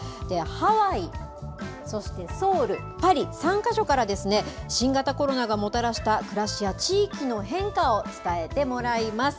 ハワイ、そしてソウル、パリ、３か所から新型コロナがもたらした暮らしや地域の変化を伝えてもらいます。